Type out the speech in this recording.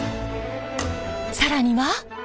更には。